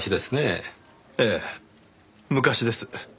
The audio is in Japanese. ええ昔です。